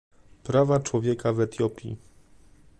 Prawa człowieka w Etiopii